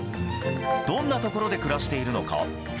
どんな所で暮らしているのか。